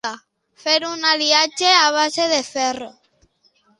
Fer un aliatge a base de ferro.